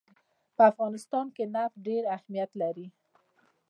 په افغانستان کې نفت ډېر اهمیت لري.